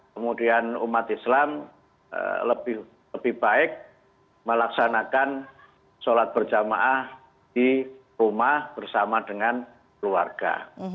kemudian umat islam lebih baik melaksanakan sholat berjamaah di rumah bersama dengan keluarga